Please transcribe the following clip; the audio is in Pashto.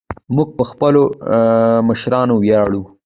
موږ په خپلو مشرانو ویاړو